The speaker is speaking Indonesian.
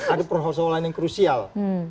ada perhubungan lain yang krusial